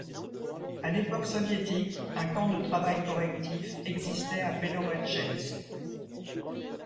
À l'époque soviétique, un camp de travail correctif existait à Beloretchensk.